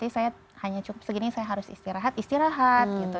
oke hari ini berarti saya hanya cukup segini saya harus istirahat istirahat gitu